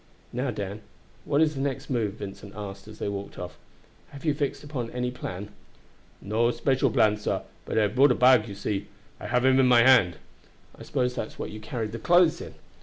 "Now, Dan, what is the next move?" Vincent asked as they walked off. "Have you fixed upon any plan?" "No special plan, sah, but I have brought a bag; you see I have him in my hand." "I suppose that's what you carried the clothes in?"